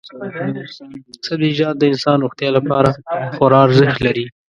سبزیجات د انسان روغتیا لپاره خورا ارزښت لري.